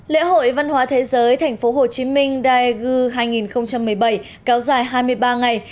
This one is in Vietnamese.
lễ hội văn hóa thế giới tp hcm daegu hai nghìn một mươi bảy kéo dài hai mươi ba ngày